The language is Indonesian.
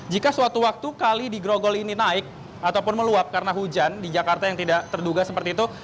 jika suatu waktu kali di grogol ini naik ataupun meluap karena hujan di jakarta yang tidak terduga seperti itu